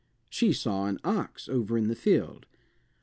She saw an ox over in the field.